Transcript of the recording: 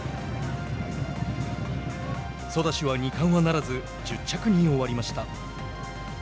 ソダシは二冠はならず１０着に終わりました。